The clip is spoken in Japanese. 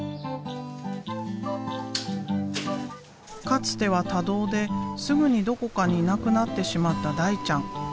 かつては多動ですぐにどこかにいなくなってしまった大ちゃん。